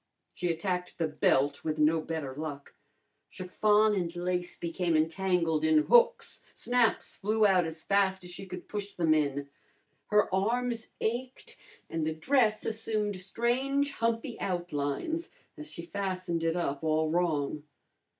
She attacked the belt with no better luck. Chiffon and lace became entangled in hooks, snaps flew out as fast as she could push them in. Her arms ached, and the dress assumed strange humpy outlines as she fastened it up all wrong.